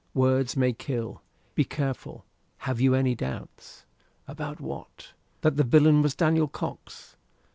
Words may kill. Be careful. Have you any doubts?" "About what?" "That the villain was Daniel Cox."